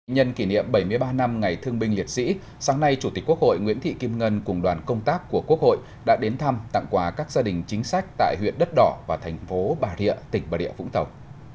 nhân kỷ niệm bảy mươi ba năm ngày thương binh liệt sĩ sáng nay chủ tịch quốc hội nguyễn thị kim ngân cùng đoàn công tác của quốc hội đã đến thăm tặng quà các gia đình chính sách tại huyện đất đỏ và thành phố bà rịa tỉnh bà địa vũng tàu